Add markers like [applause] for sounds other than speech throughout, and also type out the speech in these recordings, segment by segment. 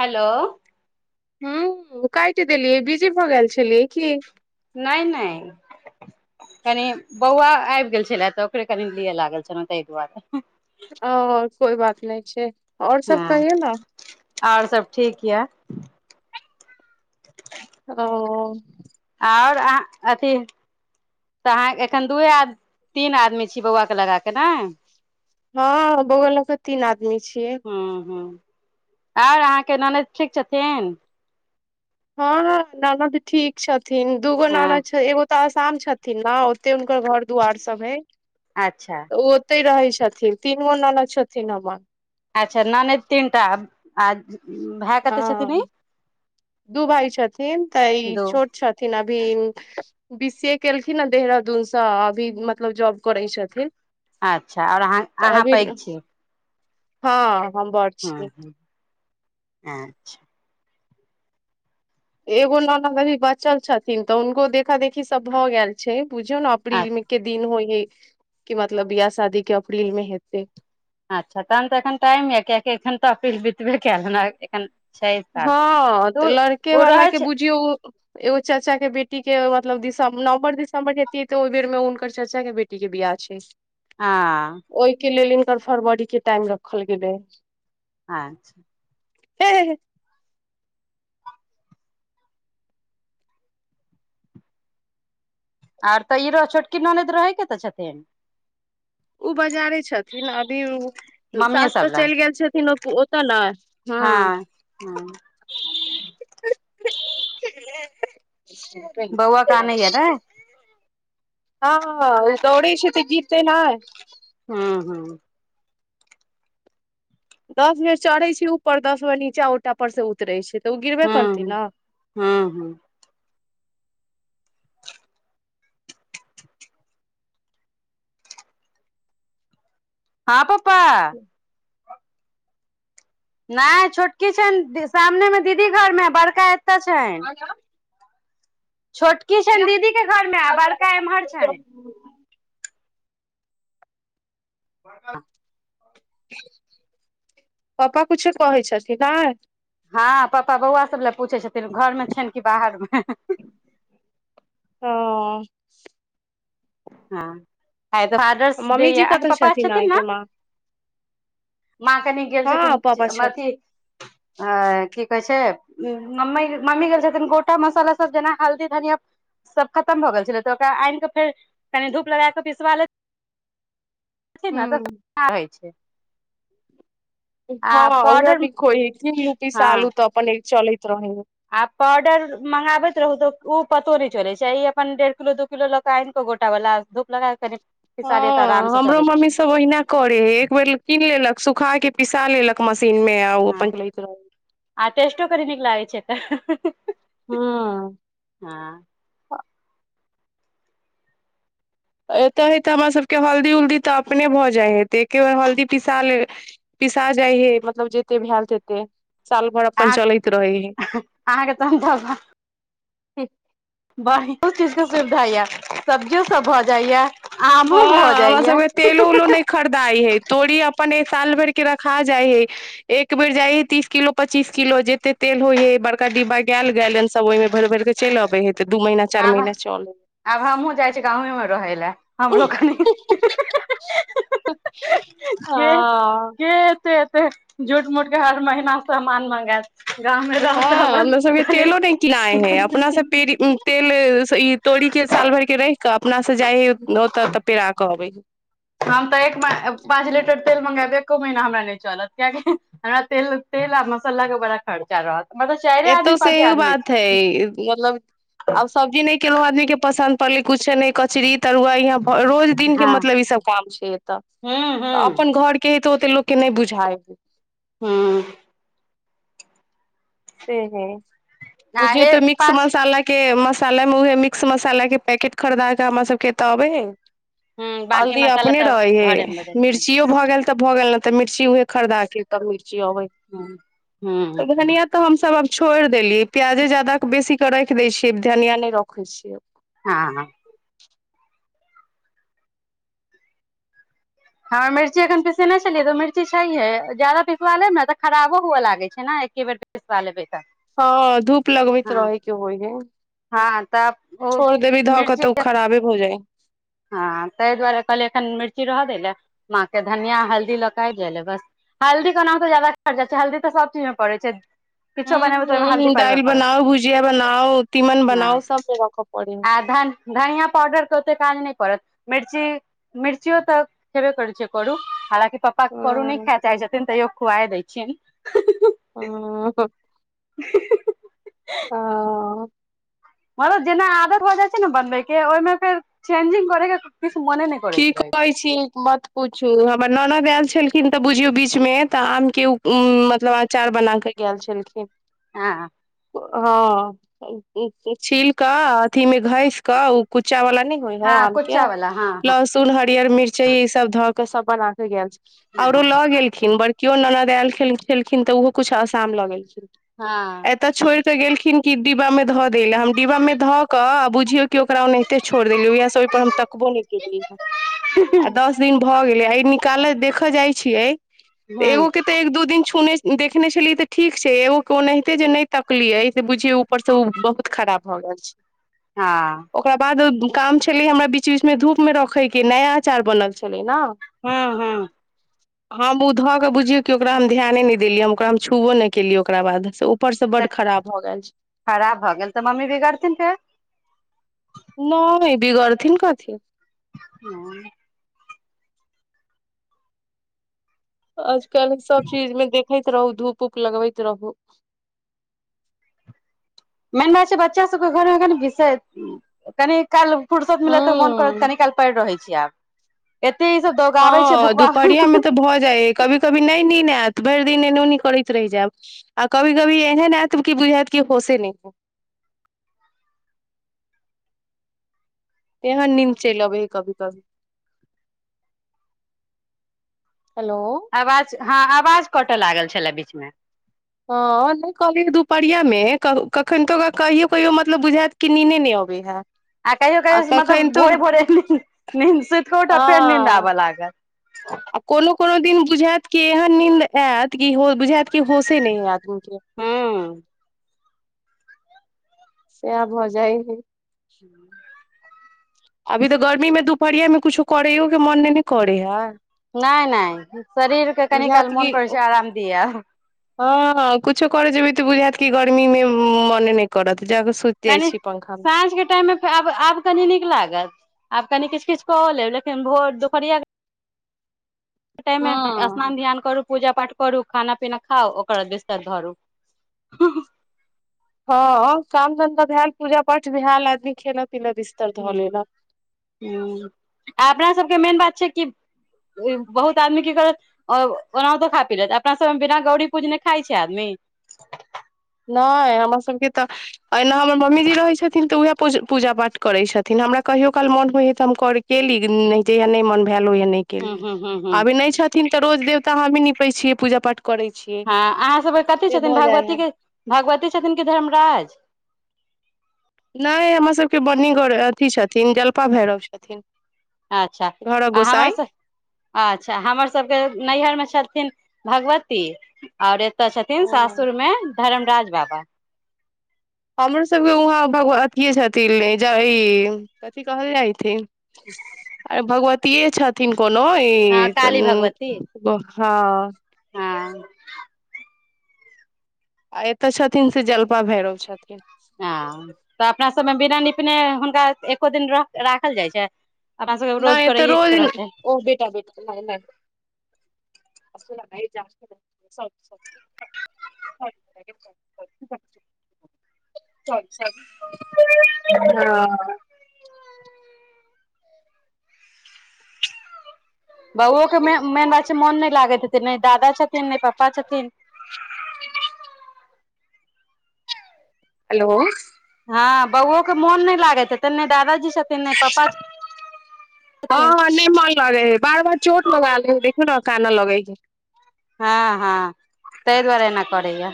Hello. हूँ काइट देलियै बिजी भऽ गेएल छलियै की? नय नय कनि बौआ आबि गेल छले तऽ ओकरे कनि लिए लागल छलहु ताहि दुआरे। ओ कोइ बात नय छैय। हूँ ओर सब ठीक यऽ। [inaudible] ओ और आ अथी तऽ अहाँ एखन दूए तीन आदमी छी बौआ के लगा केे नय? हँ बौआ ल क तीन आदमी छियै। हूँ हूं आर अहाँ के ननैद ठीक छथिन? हँ हँ ननद ठीक छथिन दूगो हँ नानद छैय एगो तऽ आसाम छथिन न ओते हुनकर घर दु्वार सभ हय। अच्छा। तऽ ओ ओतैय रहैय छथिन तीन गो ननद छथिन हम्मर। अच्छा ननैद तीनटा आ? भाय कते हाँ छथिन ई दू भाइ छथिन तऽ ई दू छोट छ थिन अभी बी सी ए केलखिन देहरादून सँ अभी मतलब जॉब करैय छथिन। अच्छा और अहाँ तऽ अहाँ अभी पैघ छियै? हँ हम बर हं आच्छे। एगो ननद अभी बचल छथिन तऽ हुनको देखा देखी सब भ गैएल छै बुझियौ ने अप्रील अच्छा में के दिन होइयै कि मतलब बियाह शादी के अप्रील मे हेतैय। अच्छा तहन तऽ एखन टाइम अय कियेकि एखन तऽ अपरील बितबे केलै एखन छै साल हँ तऽ लड़के ओ वाला रहै के छै बुझियौ ओ एगो चाचा के बेटी के मतलब दिसंब- नवम्बर, दिसम्बर जतिये ते ओहि बेर मे उनकर चचा के बेटी के बियाह छैय। बश [inaudible] हा ओइ के लेल हिनकर फरवरी के टाइम रख्खल गेलैय। आच्छे। हे- हे- हे आर तऽ ई र छोटकी ननैद रहै कत छथिन? उ बजारे छथिन अभी उ मम्मीए सास सब तऽ लग चइल गेएल छथिन ओत ओत न। हुँ। हं बौआ के आनैया ने [unintelligible] हँ-हं-हं दौड़य छै त गिरतय नहि। हम्म-हम्म दस बेड़ चढ़ै छय ऊपर, दस बेड़ नीचा उटा पर से उतरै छै, त उ गिरबे करतै न। हँ-हँ हां पप्पा [inaudible] नहि छोटकी छैन दी सामने मे दीदी घर मे, बड़का एतऽ छैन। [unintelligible] छोटकी छैन दीदी के घरमे, आ बड़का एमहर छैन। [unintelligible] पप्पा कुछो कहै छथिन्ह नहि। हँ पप्पा बौआ सब लए पूछै छथिन, घरमे छैन कि बाहरमे। हँऽ हँ आय फादर्स डे यैं, मम्मीजी अहां के कतऽ पापा छथिन न। अहाँके माँ माँ कनि गेल छथिन, हँ पापा छथिन मथी अँ की कहै छै। मम्मै मम्मी गेलछथिन, गोटा मसाला सब जेना हल्दी, धनिया सब खत्तम भऽ गेल छलै, त ओकरा आइन के फेर कनि धूप लगा क पिसबा ले थिन न त हूँ सुविधा होय छै। हँ आ उहें पाउडर निको अय इ तीनु हँ पीसा लू तऽ अपन इ चलैत रहै हय। आ पाउडर मंगाबैत रहु त उ पतो नहि चले छै, ई अपन डेढ़ किलो दु किलो ल क आनि क गोटा बला धूप लगा क कनि पिसा लिय तऽ आराम हँ से हमरो चलैत रहत मम्मी स तब ओहिना करै हय एक बेर ल कीन लेलक, सूखा के पिसा लेलक मशीन में, आ ओ हँ अपन लैत रहल। आ टेस्टो करि नीक लागे छै एकर। हँऽ हँ अ एत हे त हमरा सबके हल्दी-उल्दी त अपने भऽ जाय हेय, त एके बेर हल्दी पिसा ले पिसा जाइ हें, मतलब जते भैल तेते, साल भर अपन चलैत रहै हें। अहां के तहन तऽ भा बा हियो चीज के सुविधा यैं, सब्जियो सब भऽ जाय यैं। आमो भऽ जाइ या। खरदाय हय तोडी़ अपन एक साल भरि के रखा जाय हय। एक बेर जाइ हय, तीस किलो पच्चीस किलो जेते तेल होइ हय बड़ का डिब्बा गैल गैलन सब, ओय मे भरि-भरि क चैल अबै हय त दू महिना चार आब महिना चलल। आब हमहुँ जाइ छियै गांवे मे रहै लए। हमरो कनि के हां के एते-एते झूठ-मूठ के हर महिना समान मंगाएत। गामे र हँ हमरो सब के तेलो नहि किनाय हय अपना सब पेरी तेल स ई तोड़ी के साल भर के रहि क अपना स जाय हय ओत त पेड़ा के अबै हय। हम तऽ एक मऽ पाँच लीटर तेल मगायब, एको महीना हमरा नहि चलत कियकि हमरा तेल-तेल आ मसल्ला के बड़ा खर्चा रहत। मतलब चाइरे आदमी एतो पाँचे सेओ आदमी बात छी हय मतलब आब सब्जी नहि केयो आदमी के पसन्द पड़ले, कुछ ने, कचरी, तरुआ, रोज दिन के हँ मतलब, इसब काम छय अतः, हूँ हूँ अपन घर के के तो, ओते लोक के नहि बुझाइ, हँ, से ह, आ बुझियौ ए तऽ मिक्स पाँच मसाला के मसाला मे, उएहे मिक्स मसाला के पैकेट, खरीदा क हमरा सब के एतऽ अबे है, हूँ बाँकी हल्दी मसाला अपने तऽ रहै हे, घरेमे बनै छै मिर्चियो भऽ गेल तऽ भऽ गेल, तऽ मिर्ची उहे खरीदा के, तब मिर्ची अबै है, ह, हू, तऽ धनिया तऽ हमसब आब छोड़ि देलियै, प्याजे जादा बेसी के राख दय छियै, धनिया नहि रोखै छियै, हँ -हँ, ह, मिर्ची अखन पिसने छलियै, तऽ मिर्ची छैहे, ज्यदा पिसबा लेब ने, तऽ खराबो हुए लागे छै ने, एके बेर पिसा लेबै त, हँ, धूप लगबैत रोहैके ओहि मे, हँ, तऽ ओ छोड़ देबै ध, मिर्ची कतौ खराबे भो जाय, हँ, ताहि दुआरे कहलिय, एखन मिर्ची रह दै लए, माँ के, धनिया- हल्दी लऽ क आब जाइ ले, बस हल्दी केनाहतो जादााट जाइ छै, हल्दी तऽ सब चीज मे पड़ै छै, किछो बनेबै त हल्दी ह पारबे दालि करत, बनाउ भुजिया बनाउ तीमन हँ, बनाउ सब मे रखऽ पड़े आ धान धनिया पावडरके ओते काज नहि परत, मिर्ची, मिर्चियों त हेबे करै छै करू, हालाकि पापा करू नहि ह खा चाहय छथिन, तैयो खुआाए दैछियन, ओह्ह, ह मतलब जेना आदत भो जाइ छै ने बनबै के, ओहिमे फेर चेंजिंग करे के किछु मोने नहि की करैत रहै कहइ छी, मत पूछू, हमर ननद आयल छलखिन तऽ, बुझियौ बीच मे, तऽ आम के उ, मतलब अचार बना कऽ गेल छलखिन, हँ, हँ, छील क, अथी मे घैस कऽ, ओ कुच्चा वाला नहि होय हय, आम के कुच्चा ला, हँ- हँ, लहसुन हरियर मिर्ची, इसब धक सब बना के गेल छय, हँ औरो हँ लो गेल थिन, बड़कियो ननद आयल छल छलखिन, तऽ ओहो किछु आसाम लऽ गेलखिन, हँ, एत छोड़ के गेलखिन कि डिब्बा मे ध दैला, हम डिब्बा मे ध के आ बुझियो की, ओकरा ओनाहिते छोड़ देलिय, ओएहा स ओय पर हम तकबो नहि [unintelligible] आ दस दिन भऽ गेलै, आ निकालऽ, देखऽ जाइ छियै, हँ एगोके तऽ, एक दू दिन छुने देखने छलियै तऽ ठीक छै, एगो के ओनाहिते जे नहि तकलिये से बुझिये, ऊपर से ओ बहुत खराब भए गेल छै, हाँ, ओकरा बाद काम छलै, हमरा बीच -बीचमे धूप मे रोखे के, नया अचार बनल छलै ने, हँ -हँ, हम ओ धऽ केऽ बुझियौ कि ओकरा, हम ध्यान नहि देलियै, हम ओकरा हम छुबो नहि केलियै, ओकरा बाद ऊपर से बड तऽ खराब भए गेल छै, खराब भऽ गेल तऽ मम्मी बिगड़थिन फेर। नै बिगड़थिन कथी। हां। आज-कल सब चीज मे देखैत रहु, धूप-उप लगबैत रहु। मेन बात छै बच्चा सबके घर मे कनि विषय उम्म कनि काल फुरसत मिलत ते मोन करत हूँ कनी काल पैड़ रहै छी आब, एते ई सब द हां दुपहरिया मे तऽ भऽ जाय अय, कभी-कभी नै नींद आएत, भैर दिन एनै ओनी करैत रैह जाएब। आ कभी-कभी एहन आएत कि बुझाएत कि होशे नै एहेन नींद चैल आबैया कभी-कभी। हेलो। अवाज हां अवाज कटऽ लागल छलाए बीच मे। हां नै कहलियै दुपहरिया मे कब कखन ते ओकरा कहियो-कहियो मतलब बुझाएत कि नीने नै अबै हय। आ कहियो-कहियो मतलब भोरे-भोरे नींद, नींद सुत के हँ उठब फेर नींद आबऽ लागल। आ कोनो-कोनो दिन बुझाएत कि एहेन नीन्द आएत कि हो बुझाएत कि होशे नै हय आदमी के। हुं। साएह भ जाय हय। [unintelligible] अभी तऽ गर्मी मे दुपहरिया मे कुछो करैयो के मोन नै ने करै हय। नै-नै शरीर के कनि बुझायत काल मोन करै छै अराम दियौ। हां कुछो करै जेबी तऽ बुझाएत कि गर्मी मे मने नै करत जाके सु कनि साँझ के टाइम मे फे आब, आब कनी नीक लागत आब कनि किछ-किछ कऽ लेब लेकिन भोर दुपहरिया के टाइम मे हँ स्नान ध्यान करू। पूजा-पाठ करू, खाना-पीना खाउ, ओकर बाद बिस्तर धरू। हां काम-धन्धा भाएल, पूजा-पाठ भाएल, आदमी खेलत-पिलत ई स हुं, हां आ अपना सबके मेन बात छै कि उ बहुत आदमी की करत औ ओनाहुतो खाय पी लेत, अपना सब मे बिना गौरी पूजने खाय छै आदमी। नै हमर सबके तऽ एहना हमर मम्मीजी रहै छथिन तऽ उहाए पूज पूजा-पाठ करै छथिन, हमरा कहियो काल मोन होयया तऽ हम करि केली नै जहिया नै मन भाएल ओहिया नै केली, हूँ हूँ हूँ हूँ अभी नै छथिन त रोज देवता हमही निपै छी, पूजा-पाठ करै छी। हाँ अहाँ सबके कथी छथिन भगवती के, भगवती छथिन की धरमराज। नै हमर सबके बनीगर अथि छथिन जलपा भैरव छथिन। अच्छा घरक आ हमरा गोसाई से अच्छा हमर सबके नैयहर मे छथिन भगवती। और एता छथिन सासुर मे धरमराज बाबा। हमरो सबके उहाँ भग अथीये छथिन ई ज ई कथि कहल जायथिन अरे भगवतिये छथिन कोनो हँ ई कन काली ब हां। हां। आ एता छथिन से जलपा भैरव छथिन। हाँ त अपना सब मे बिना निपने हुनका एको दिन रा राखल जाय छै। अपना सबके नै रोज एता करैए रोज [unintelligible] [unintelligible] के रहतै [unintelligible] अच्छा-अच्छा हां। बउवो के मै मेन बात छै मन नै लागैत हेतै नै दादा छथिन, नै पप्पा छथिन। हेलो। हाँ बउवो के मौन नै लागएत हेतै नै दादा जी छ थिन नै पप्पा छथिन। नै मन लागै हय, बार-बार चोट लगा लै हय देखियौ नै कानय लगै हय। हाँ-हाँ तै दुआरे एना करै यै।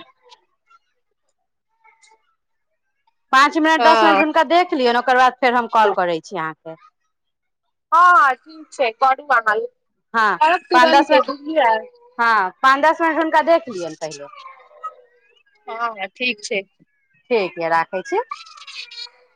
पाँच मिनट दस मिनट हँ हुनका देख लियौ नै ओकर बाद फेर हम कॉल करै छी अहाँ के। हां-हां ठीक छै करू अहाँ [unintelligible] तुरंते बुझलियै हाँ पाँच दस मिनट हुनका देख लियौन पहले। हां ठीक छै। ठीक यै राखै छी। [unintelligible]